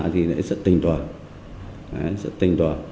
thì lại rất tình toàn